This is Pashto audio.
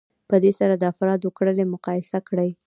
په دې سره د افرادو کړنې مقایسه کیږي.